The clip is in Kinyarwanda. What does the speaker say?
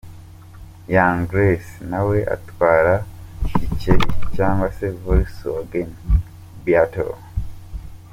Young Grace, nawe atwara "Gikeri" cyangwa Volkswagen Beattle.